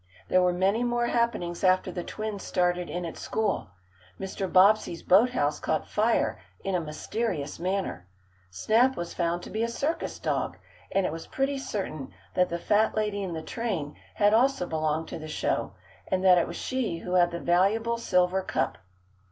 There were many more happenings after the twins started in at school. Mr. Bobbsey's boathouse caught fire in a mysterious manner. Snap was found to be a circus dog, and it was pretty certain that the fat lady in the train had also belonged to the show, and that it was she who had the valuable silver cup.